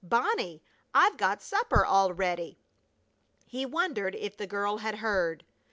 Bonnie! I've got supper all ready!" He wondered if the girl had heard.